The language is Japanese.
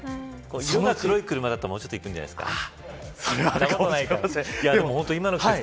色が黒い車だともうちょっといくんじゃないですか。